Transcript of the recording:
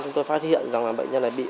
chúng tôi phát hiện rằng là bệnh nhân này bị